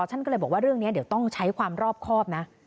ท่านก็เลยบอกว่าเรื่องนี้เดี๋ยวต้องใช้ความรอบครอบนะ